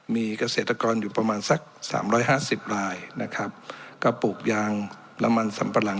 มีเกษตรกรอยู่ประมาณสักสามร้อยห้าสิบรายนะครับกระปลูกยางและมันสำปะหลัง